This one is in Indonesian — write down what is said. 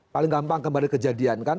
paling gampang kembali kejadian kan